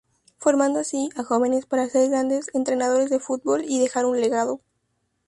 Formando así, a jóvenes para ser grandes entrenadores de fútbol y dejar un legado.